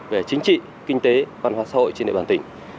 về chính trị kinh tế văn hóa xã hội trên địa bàn tỉnh